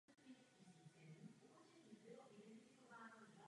Symbolika odkazuje na Jeruzalém z dob života Ježíše.